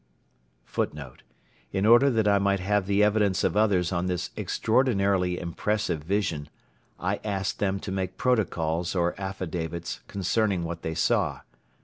In order that I might have the evidence of others on this extraordinarily impressive vision, I asked them to make protocols or affidavits concerning what they saw.